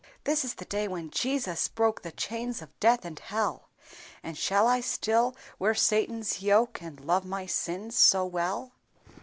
"This is the day when Jesus broke The chains of death and hell; And shall I still wear Satan's yoke And love my sins so well!"